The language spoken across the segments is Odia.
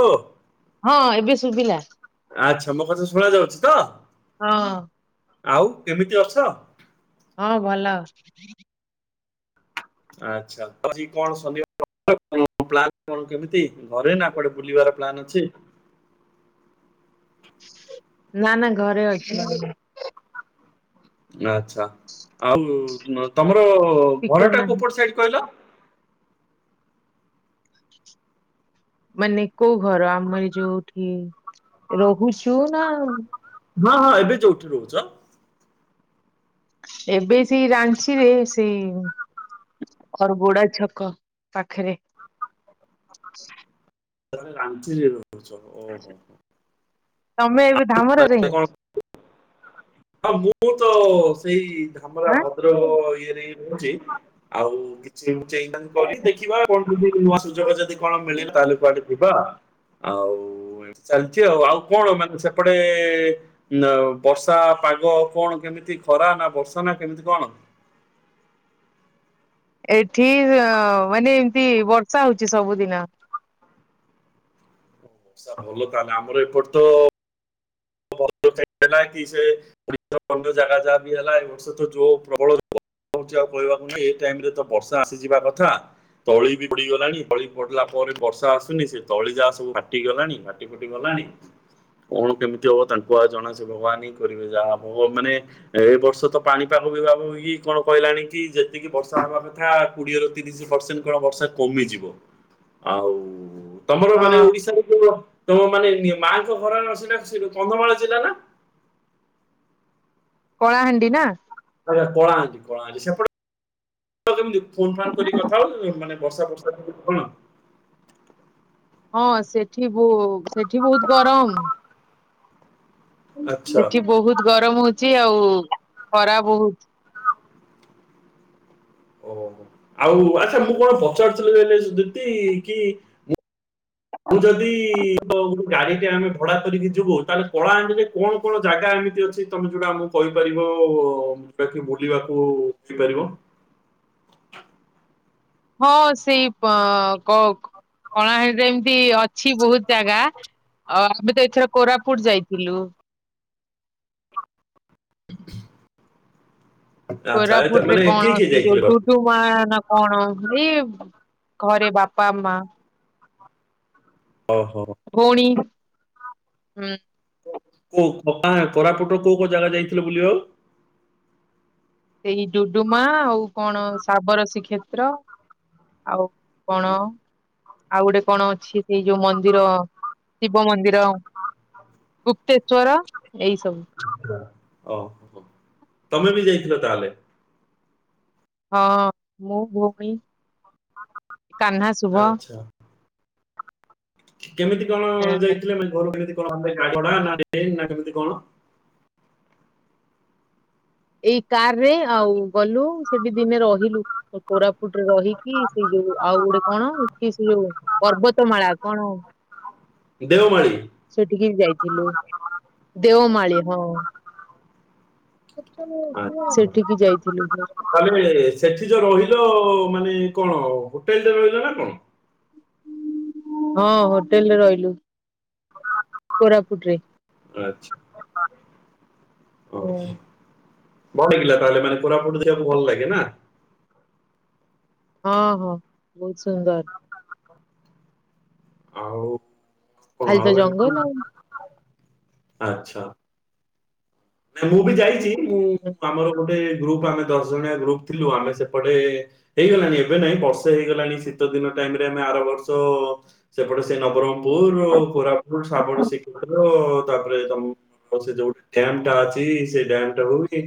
ହେଲୋ। ହଁ ଏବେ ଶୁଭିଲା। ଆଚ୍ଛା ମୋ କଥା ଶୁଣାଯାଉଛି ତ! ହଁ। ଆଉ କେମିତି ଅଛ? ହଁ ଭଲ। ଆଚ୍ଛା ଆଜି କଣ ସନି [unintelligible] ପ୍ଲାନ୍ କଣ କେମିତି ଘରେ ନା କୁଆଡେ ବୁଲିବାର ପ୍ଲାନ୍ ଅଛି? ନା ନା ଘରେ ଅଛି। ନା ଆଛା ଆଉ ତମର ସ୍ପିକର ଘରଟା ନାହିଁ କୋଉପଟ ସାଇଡ କହିଲ? ମାନେ କୋଉ ଘର ଆମ ଏ ଯୋଉଠି ରହୁଛୁ ନା ହଁ ହଁ ଏବେ ଯୋଉଠି ରହୁଛ। ଏବେ ସେଇ ରାଞ୍ଚିରେ ସେଇ ଖରବୁଡା ଛକ ପାଖରେ ତାମାନେ ରାଞ୍ଚିରେ ର ହୁଛ ଓହୋ ହୋ, ତମେ ଆଉ ଏବେ [unintelligible] ଧାମରାରେ ହିଁ କଣ? ହଁ ମୁଁ ତ ସେଇ ଧାମରା ଆଁ ଭଦ୍ରକ ଇଏରେ ହୁଚି ଆଉ କିଛି [unintelligible] ଦେଖିବା କଣ [unintelligible] ନୂଆ ସୁଯୋଗ ଯଦି କଣ ମିଳିବ ତାହେଲେ କୁଆଡେ ଯିବା ଆଉ ଚାଲିଛି ଆଉ ଆଉ କଣ ମାନେ ସେପଟେ ବର୍ଷା ପାଗ କଣ କେମିତି? ମିତି ଖରା ନା ବର୍ଷା ନା କେମିତି କଣ? ଏଠି ଅ ମାନେ ଏମତି ବର୍ଷା ହଉଛି ସବୁଦିନ। ସ ଭଲ ତାହଲେ ଆମର ଏପଟେ ତ ଭଦ୍ରକ ସାଇଡ ହେଲା କି ସେ [unintelligible] ଜାଗା ଯାହା ବି ହେଲା ଏ ବର୍ଷ ତ ଯୋଉ ପ୍ରବଳ [unintelligible] ଆଉ କହିବାକୁ ନାଇଁ ଏଇ ଟାଇମରେ ତ ବର୍ଷା ଆସିଯିବା କଥା ତଳି ବି ପଡିଗଲାଣି ତଳି ପଡିଲା ପରେ ବର୍ଷା ଆସୁନି ସେ ତଳି ଯାହା ସବୁ ଫାଟିଗଲାଣି ଫାଟି ଫୁଟି ଗଲା ଣି କଣ କେମି ତି ହବ ତାଙ୍କୁ ଏକା ଜଣା ସେ ଭଗବାନ ହିଁ କରିବେ ଯାହା ହବ ମାନେ ଏ ବର୍ଷ ତ ପାଣିପାଗ ବିଭାଗ ବି କଣ କହିଲାଣି କି ଯେତିକି ବର୍ଷା ହବା କଥା କୋଡିଏ ରୁ ତିରିଶ ପରସେଣ୍ଟ କଣ ବର୍ଷା କମିଯିବ। ଆଉ ତମର ମାନେ ହଁ ଓଡିଶାରେ କୋଉ ତମ ମାନେ ନି ମାଆଙ୍କ ଘର ସେଇଟା ସେଇ [unintelligible] କନ୍ଧମାଳ ଜିଲ୍ଲା ନା! କଳାହାଣ୍ଡି ନା। ଆଜ୍ଞା କଳାହାଣ୍ଡି କଳାହାଣ୍ଡି ସେପଟେ କେମତି ଫୋନ ଫାନ୍ କରି କଥା ହଉଚନ୍ତି ମାନେ ବର୍ଷା ଫର୍ଷା ଟିକେ କମା ହଁ ସେଠି ବୋ ସେଠି ବହୁତ ଗରମ୍। ଆଚ୍ଛା ଏଠି ବହୁତ ଗରମ ହଉଚି ଆଉ ଖରା ବହୁତ। ଓହୋ ଆଉ ଆଛା ମୁଁ କଣ ପଚାରୁଥିଲି କଇଲେ ସେ ଦିଦି କି ମୁ ଯଦି ଗାଡ଼ି ଟେ ଆମେ ଭଡ଼ା କରିକି ଯିବୁ ତାହେଲେ କଳାହାଣ୍ଡିରେ କଣ କଣ ଜାଗା ଆମେ ଏମିତି ଅଛି ତମେ ଯୋଉଟା ଆମକୁ କହିପାରିବ ଯୋଉଟା କି ବୁଲିବାକୁ ଯାଇପାରିବ। [inaudible] ହଁ ସେଇ ପ କକ କଳାହାଣ୍ଡିରେ ଏମତି ଅଛି ବହୁତ ଜାଗା ଆ ଆମେ ତ ଏଥର କୋରାପୁଟ ଯାଇଥିଲୁ। [inaudible] ଆଚ୍ଛା ଏଟା କୋରାପୁଟରେ ମାନେ କିଏ କଣ କିଏ ଅଛି ଯୋଉ ଯାଇଥିଲେ ବାପୁ ଦୁଡ଼ୁମା ନା କଣ ଏ ଘରେ ବାପା ମା। ଓହୋ ଭଉଣି ହୁଁ। କୋଉ କୋକା କୋରାପୁଟ କୋଉ କୋଉ ଜାଗା ଯାଇଥିଲେ ବୁଲିବାକୁ। ସେଇ ଡୁଡୁମା ଆଉ କଣ ଶାବରସୀ କ୍ଷେତ୍ର। ଆଉ କଣ। ଆଉ ଗୋଟେ କଣ ଅଛି ସେଇ ଯୋଉ ମନ୍ଦିର ଶିବ ମନ୍ଦିର। ଗୁପ୍ତେଶ୍ଵର ଏଇ ସବୁ। ଓହୋ ତମେ ବି ଯାଇଥିଲ ତାହେଲେ। ହଁ ମୁଁ ଭଉଣୀ କାହ୍ନା ଶୁଭ। ଆଚ୍ଛା କେମିତି କଣ ଏଁ ଯାଇଥିଲେ ମାନେ ଘରୁ କେମତି କଣ କାର୍ ଭଡ଼ା ନା ଟ୍ରେନ୍ ନା କେମିତି କଣ। ଏଇ କାର ରେ ଆଉ ଗଲୁ। ସେଠି ଦିନେ ରହିଲୁ କୋରାପୁଟରେ ରହିକି ସେ ଯୋଉ ଆଉ ଗୋଟେ କଣ କି ସେ ଯୋଉ ପର୍ବତ ମାଳା କଣ [inaudible] ସେଠିକି ବି ଯାଇଥିଲୁ ଦେଓମାଳି ହଁ। ଆଛା ସେଠିକି ଯାଇଥିଲୁ ତାହଲେ ସେଠି ଯୋଉ ରହିଲ ମାନେ କଣ ହୋଟେଲ୍ ରେ ରହିଲ ନା କଣ। ହଁ ହୋଟେଲ୍ ରେ ରହିଲୁ। କୋରାପୁଟରେ। ଆଛା। ଭଲ ଲାଗିଲା ତାହଲେ ମାନ କୋରାପୁଡ଼ ଦେଖି ବାକୁ ଭଲ ଲାଗେ ନା। ହଁ ହଁ ବହୁତ ସୁନ୍ଦର। ଆଉ କଣ ଖାଲି ତ ଆଉ ଏମତି ଜଙ୍ଗଲ ଆଉ। ଆଛା। ନା ମୁଁ ବି ଯାଇଚି ମୁଁ ଆମର ଗୋଟେ ଗ୍ରୁପ ଆମେ ଦଶ ଜଣିଆ ଗ୍ରୁପ ଥିଲୁ ଆମେ ସେପଟେ ହେଇଗଲାଣି ଏବେ ନାଇଁ ବର୍ଷେ ହେଇଗଲାଣି ଶୀତ ଦିନାଟା ଟାଇମ୍ ରେ ଆମେ ଆର ବର୍ଷ ସେପଟେ ସେ ନବରଙ୍ଗ ପୁର କୋରାପୁଟ ସାବଣ ସିଖିଭାଗ ତାପରେ ତମ ସେ ଯୋଉ ଡ୍ୟାମ ଟାଚି ସେ ଡ୍ୟାମ୍ ଟା ହଉ କି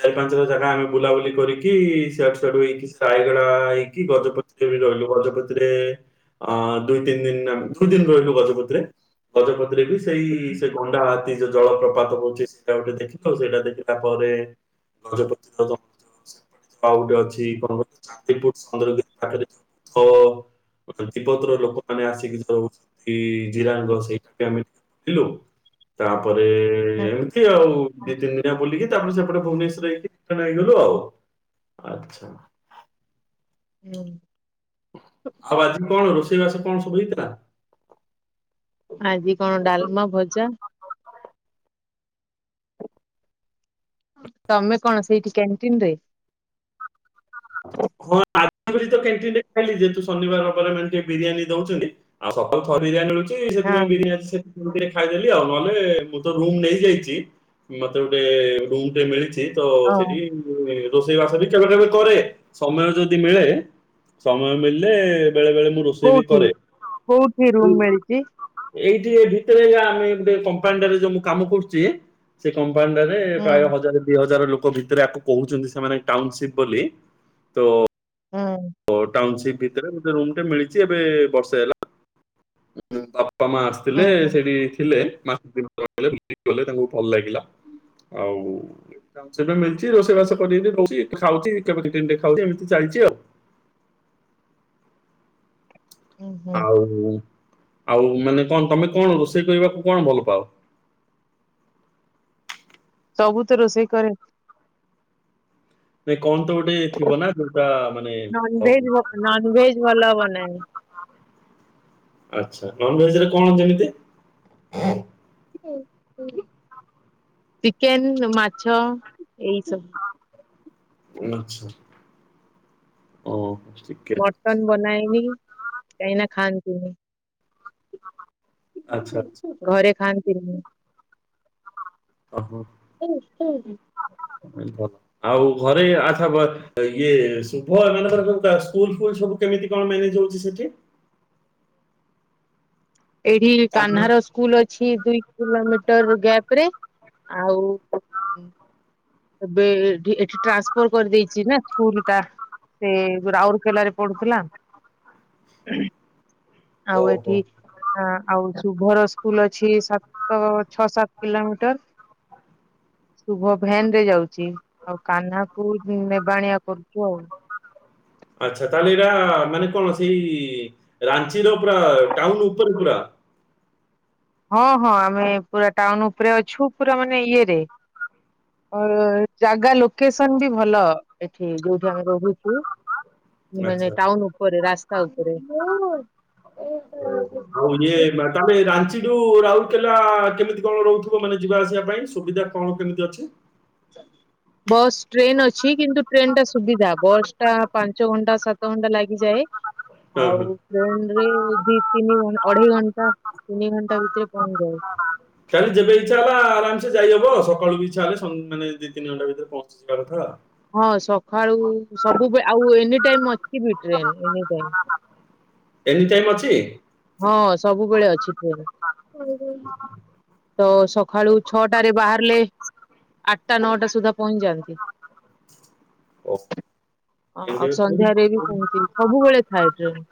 ଚାରି ପାଞ୍ଚଟା ଜାଗା ଆମେ ବୁଲାବୁଲି କରିକି ସିଆଡ଼ୁ ସିଆଡ଼ୁ ହେଇକି ରାୟଗଡା ହେଇକି ଗଜପତି ରହିଲୁ ଗଜପତିରେ ଅ ଦୁଇ ତିନି ଦିନି ଦୁଇ ଦିନ ରହିଲୁ ଗଜପତିରେ ଗଜପ ବି ସେଇ ସେ ଗଣ୍ଡା ହାତି ଯୋଉ ଜଳ ପ୍ରପାତ ହଉଚି ସେ ସେଟା ଗୋଟେ ଦେଖିଲୁ ସେଇଟା ଦେଖିଲା ପରେ ଗଜପତି ଆଉ ଗୋଟେ ଅଛି କଣ ଚାନ୍ଦିପୁର ଚନ୍ଦ୍ରଗିରି ପାଖରେ ଅ ଅଛନ୍ତି ତିବ୍ବତ୍ର ଲୋକମାନେ ଆସିକି ଯଉଛନ୍ତି ଜିରାଙ୍ଗ ସେଇଠି ବି ଆମେ ରହିଲୁ। ତାପରେ ଏ ଏ ଆଉ ଦି ତିନି ଦିନଆ ବୁଲିକି ତାପରେ ସେପଟ ଭୁବନେଶ୍ୱର ହେଇକି ରିଟନ୍ ହେଇଗଲୁ ଆଉ। ଆଛା। ହୁଁ। ଆଉ ଆଜି କଣ ରୋଷେଇବାସ କଣ ସବୁ ହେଇଥିଲା? ଆଜି କଣ ଡାଲମା ଭଜା ତମେ କଣ ସେଇଠି କ୍ୟାଣ୍ଟିନ ରେ ହଁ [unintelligible] [unintelligible] କ୍ୟାଣ୍ଟିନରେ ଖାଇଲି ଯେହେତୁ ଶନିବାର ରବାର ଟିକେ ମେନ ବିରିୟାନୀ ଦୋଉଚନ୍ତି ଆଉ ସପ୍ତାହକୁ ଥରିଏ ଯାହା ମିଳୁଚ ଚି ସେଥିପାଇଁ ହଁ ବିରିୟ ସେଥିରୁ ଟିକେ ଖାଇଦେଲି ଆଉ ନହଲ ବେ ମୁଁ ତ ରୁମ ନେଇ ଯାଇଛି ମତେ ଗୋଟେ ର ମିଳିଚି। ସେଇ ତ ହଁ ସେଠି ରୋଷେଇ ବାସ ବି କେବେ କେବେ କରେ। ସମୟ ଯଦି ମିଳେ ସମୟ ମିଳିଲେ ବେଳେ ବେଳେ ମୁଁ ରୋଷେଇ ବି କୋଉଠି କରେ [inaudible] କୋଉଠି ରୁମ ମିଳିଛି? ଏଇ ଭିତରେ ଆମେ ଗୋଟେ କମ୍ପାନିଟାରେ ଯୋଉ ମୁଁ କାମ କରୁଚି ସେ କମ୍ପ ମ୍ପାନି ଟାରେ ହୁଁ ପ୍ରାୟ ହଜାର ଦିଇ ହଜାର ଲୋକ ଭିତରେକୁ କୋହୁଚନ୍ତି ସେମାନେ ଟାଉନସିପ ବୋଲି ତ ହୁଁ ଓ ଟାଉନସିପ ଭିତରେ ଗୋଟେ ରୁମ୍ ଟେ ମିଳିଛି ଏବେ ବର୍ଷେ ହେଲା ବାପା ମା ହୁଁ ଆସିଥିଲେ ହୁଁ। ସେଠି ଥିଲେ [unintelligible] ତାଙ୍କୁ ଭଲ ଲାଗ ଲା ଆଉ [unintelligible] ମିଳଚି ରୋଷେଇବାସ କରି ରହୁଚି ଖାଉଚି କେତି ଖାଉଚି ଏମିତି ଚାଲିଚି ଆଉ ହୁଁ ହୁଁ ଆଉ ଆଉ ମାନେ କଣ ତମେ କଣ ରୋଷେଇ କରିବାକୁ କଣ ଭଲ ପାଅ? ସବୁ ତ ରୋଷେଇ କରେ। ନାଇଁ କଣ ତ ଗୋଟେ ଥିବ ନା ଯୋଉଟା ମାନେ ହ [inaudible] ନନଭେଜ ଭ- ନନଭେଜ ଭଲ ବନାଏ। ଆଛା ନନଭେଜରେ କଣ ଯେମିତି ଚିକେନ ମାଛ ଏଇ ସବୁ। ଉଁ ଆଛା ଓଉ ମଟନ ବନାଏନି କାହିଁକି ନା ଖାଆନ୍ତିନି। ଆଛା ଆଛା। [unintelligible] ଓହୋ। [unintelligible] ଆଉ ଘରେ ଆଛା ଇଏ ଶୁଭ ଏଙ୍କର କେ ସ୍କୁଲ ଫଲ ସବୁ କୁ କେମିତି କଣ ମ୍ୟାନେଜ ହୋଉଚି ସେଠି? ଏଇଠି କାହ୍ନା କାହ୍ନାର ସ୍କୁଲ ଅଛି। ଦୁଇ କିଲୋମିଟର ଗ୍ୟାପ ରେ ଆଉ ଏବେଠି ଏଠି ଟ୍ରାନ୍ସଫର କରିଦେଇଚି ନା ସ୍କୁଲ ଟା। ସେ ରାଉରକେଲାରେ ପଢୁଥିଲା। ଆଉ ଓହୋ ଏଠି ହଁ ଆଉ ଶୁଭର ସ୍କୁଲ ଅଛି ସାତ ଛଅ ସାତ କିଲୋମିଟର ହ ଶୁଭ ଭ୍ୟାନ ରେ ଯାଉଚି ଆଉ କାହ୍ନାକୁ ନେବାଣିଆ କରୁଛୁ ଆଉ। ହ ଆଛା ତାହେଲେ ଏରା ମାନେ କଣ ସେଇ ରାଞ୍ଚିର ପୁରା ଟାଉନ ଉପରେ ପୁରା ହଁ ହଁ ଆମେ ପୁରା ଟାଉନ ଉପରେ ଅଛୁ ପୁରା ମାନେ ଇଏରେ ଜାଗା ଲୋକେସନ ବି ଭଲ ଏଠି ଯୋଉଠି ଆମେ ରହୁଛୁ ମାନେ ଆଚ୍ଛା। ଟାଉନ ଉପରେ ରାସ୍ତା ଉପରେ [inaudible] ଓହୋ ଆଉ ଇଏ ମ୍ୟାଡ଼ାମ ଏରା ଠୁ ରାଉରକେଲା କେମିତି କଣ ରହୁଥିବ? ମାନେ ଯିବା ଆସିବା ପାଇଁ ସୁବିଧା କଣ କେମିତି ଅଛି? ହଁ ବସ୍ ଟ୍ରେନ ଅଛି କିନ୍ତୁ ଟ୍ରେନ ଟା ସୁବିଧା ବସ୍ ଟା ପାଞ୍ଚ ଘଣ୍ଟା ସାତ ଘଣ୍ଟା ଲାଗିଯାଏ। ହଁ ହଁ। ଆଉ ଫେଣ୍ଡରେ ଦୀପ ତିନି ଘ ଅଢେଇ ଘଣ୍ଟା ତିନି ଘଣ୍ଟା ଭିତରେ ପହଞ୍ଚି ଯାଉ କାଲି ଯେବେ ଇଚ୍ଛା ହେଲା ଆରାମସେ ଯାଇହବ ସକାଳୁ ଇଚ୍ଛା ହେଲେ ମାନ ଦି ତିନି ଘଣ୍ଟା ଭିତରେ ପହଞ୍ଚିଯିବା କଥାଉ ହଁ ଟାଇମ ଅଛିି ବିଟରେେ ଏନି ଟାଇ ଏନି ଟାଇମ ଅଛି ହଁ ସବୁବେଳେ ଅଛି ଟ୍ରେନ ତ ସକାଳୁ ଛଅଟାରେ ବାହାରିଲେ ଆଠଟା ନଅଟା ସୁଦ୍ଧା ପହଞ୍ଚିଯାଆନ୍ତି ଓ ଅ, ଆଛା ଆଉ ଆ ସନ୍ଧ୍ୟାରେ ବି ସେମିତି ସବୁବେଳେ ଥାଏ ଟ୍ରେନ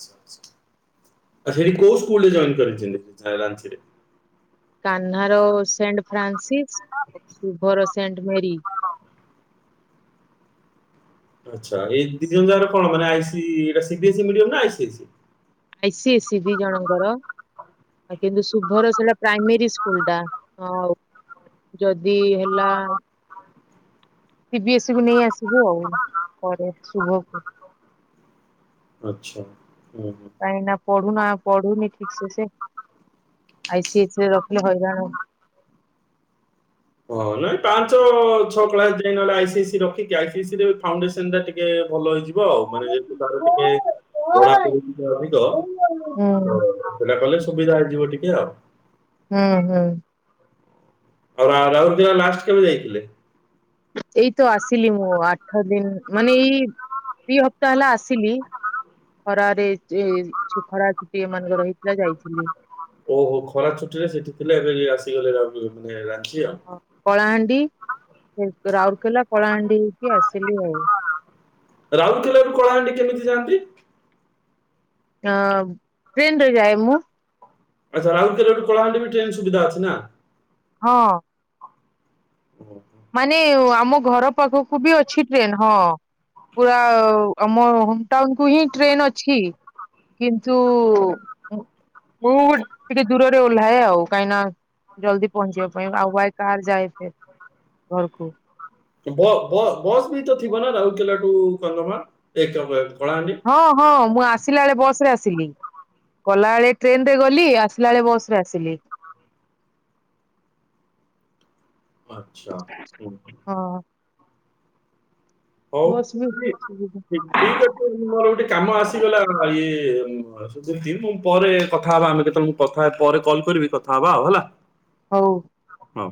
ସେଠି କୋଉ ସ୍ ଜ କରିଛନ୍ତି କହ୍ନ ର ସେଣ୍ଟ ଫ୍ରାନ୍ସିସ୍ ଶୁଭର ସେଣ୍ଟ ମେ ଆଛା ଏଇ ଦ ଜ ଯାଗ କଣ ଆଇସି ଏସି ଦି ଜଣଙ୍କର କିନ୍ତୁ ଶୁଭର ସେଇଟା ପ୍ରାଇମୋରୀ ସ୍କୁଲ ଟା ହ ଆଉ ଯଦି ହେଲା ସିବି ଏସ୍ ସ କୁ ନେଇ ଆସିବୁ ଆଉ ପରେ ଶୁଭକୁ ଆଚ୍ଛା ହୁଁ ହୁଁ। କ ଏ ନା ପଢୁ ନା ପଢୁ ନାଇଁ ଠିକ ସେ ସେ ଆଇ ସ ଆଇ ସରେ ରଖିଲେ ହଇରାଣ ହ ନାଇଁ ପାଞ୍ଚ ଛଅ କ୍ସ ଯାଇ ନହଲେ ଆଇ ସ ରଖିକି ଆଇ ସ ଫାଉଣ୍ଡେସନ ଟା ଟିକେ ଭଲ ହେଇଯିବ ଆଉ ମାନେ ଯେହେତୁ ତାର ଟିକେ ପଢା ପଢି ଅଧିକ ହୁଁ ଓ ସେନା କହିଲେ ସୁବିଧା ହେଇଯିବ ଟିକେ ଆଉ ହୁଁ ହୁଁ ଆଉଉ ରାଉର ଦିନ ଲାଷ୍ଟ କେବେ ଯାଇଥିଲେ ଏଇତ ଆସିଲି ମୁଁ ଆଠ ଦିନ ମାନେ ଏଇ ଦି ହପ୍ତା ହେଲା ଆସିଲି ଖରାରେ ସେ ଖରା ଟି ଏ ମାନଙ୍କ ରହିଥିଲା ଯାଇଥିଲି ଓହୋ ଖରା ଛୁଟି ରେ ସେଠି ଥିଲେ ଏବେ ଆସିଗଲେ ମାନେ ରାଛି ଆଉ ସେ ରାଉରକେଲା କଳାହାଣ୍ଡି ହେଇକି ଆସିଲି ଆଉ ରାଉରକେଲାରୁ କଳାହାଣ୍ଡି କେମିତି ଯାଆନ୍ତି ଅ ଟ୍ରେନ ରେ ଯାଏ ମୁଁ ଆଚ୍ଛା ରାଉରକେଲୋଠୁ କଳାହାଣ୍ଡି ବି ଟ୍ରେନ ସୁବିଧା ଅଛି ନା ହଁ ଓୁଁ ମାନେ ଆମ ଘର ପାଖକୁ ବି ଅଛି ଟ୍ରେନ୍ ହଁ ପୁରା ଆମ ହୋମ ଟାଉନ କୁ ହିଁ ଟ୍ରେନ୍ ଅଛି କିନ୍ତୁ ମୁେ ଟିକେ ଦୂରରେ ଓହ୍ଲାଏ ଆଉ କାହିଁକି ନା ଜଲଦି ପହଞ୍ଚିବା ପାଇଁ ଆଉ ଭାଇ କାର୍ ଯାଏ ଫ ଘରକୁ ବସ୍ ବି ତ ଥିବ ନା ରାଉରକେଲାଠୁ କମା ଏକ ହଁ ହଁ ମୁଁ ଆସିଲା ବେଳେ ବସ ରେ ଆସିଲି ଗଲା ବେଳେ ଟ୍ରେନ ରେ ଗଲି ଆସିଲା ବେଳେ ବସ ରେ ଆସିଲି [unintelligible] ଆଚଛା ହ ହଁ ହଉ ବସ୍ ବି ସୁବିଧା ଠିକ ଅଛି ମୋର ଗୋଟେ କାମ ଆସିଗଲା ଇଏ ପରେ କଥା ହବା ଆମେ କେତେବେଳେ କଥା ପରେ କଲ କରିବି କଥା ହବା ଆଉ ହେଲା ହଉ ହଁ।